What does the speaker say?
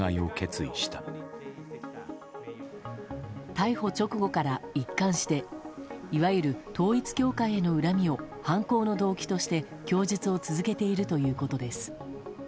逮捕直後から、一貫していわゆる統一教会への恨みを犯行の動機として供述を続けているということです。